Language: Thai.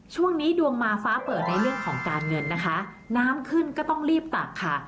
ช่วงนี้ดวงมาฟ้าเปิดในเรื่องของการเงินนะคะน้ำขึ้นก็ต้องรีบตักค่ะ